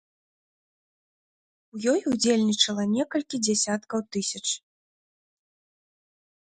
У ёй удзельнічала некалькі дзясяткаў тысяч.